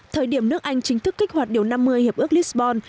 thời điểm nước anh chính thức kích hoạt điều năm mươi hiệp ước lisbon